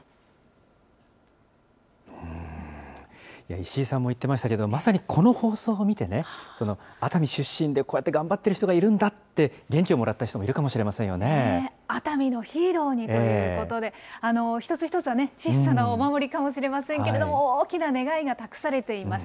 石井さんも言ってましたけれども、まさにこの放送を見てね、熱海出身で、こうやって頑張ってる人がいるんだって元気をもらった人もいるか熱海のヒーローにということで、一つ一つはね、小さなお守りかもしれませんけれども、大きな願いが託されています。